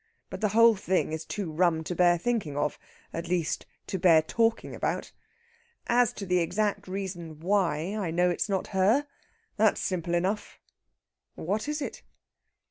But the whole thing is too rum to bear thinking of at least, to bear talking about. As to the exact reason why I know it's not her, that's simple enough!" "What is it?"